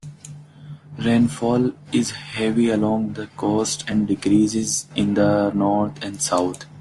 Rainfall is heavy along the coast and decreases in the north and south.